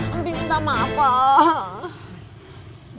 nanti minta maaf pak